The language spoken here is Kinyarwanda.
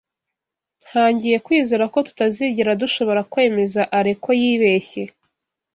Ntangiye kwizera ko tutazigera dushobora kwemeza Alain ko yibeshye.